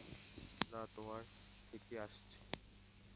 না, তোমার থেকে আসছে।